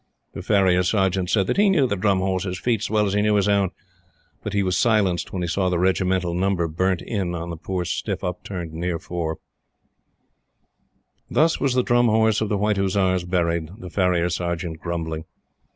The Farrier Sergeant said that he knew the Drum Horse's feet as well as he knew his own; but he was silenced when he saw the regimental number burnt in on the poor stiff, upturned near fore. Thus was the Drum Horse of the White Hussars buried; the Farrier Sergeant grumbling.